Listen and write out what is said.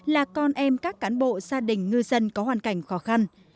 là con em các cán bộ gia đình ngư dân có hoàn cảnh khó khăn